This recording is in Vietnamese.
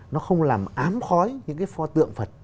nó không làm ám khói những cái pho tượng phật